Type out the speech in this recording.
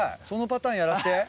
そのパターンやらせて。